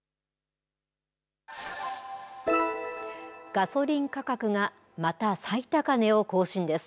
ガソリン価格がまた最高値を更新です。